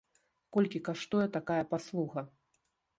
Колькі каштуе такая паслуга?